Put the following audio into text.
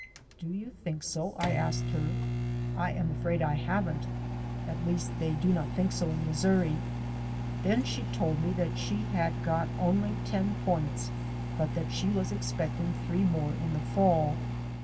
*'" Do you think so? I asked her. "I am afraid I haven't. At least they do not think so in Missouri.'* Then she told me that she had got only ten points, but that she was expecting three more in the fall.